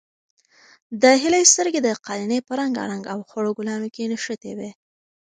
د هیلې سترګې د قالینې په رنګارنګ او خړو ګلانو کې نښتې وې.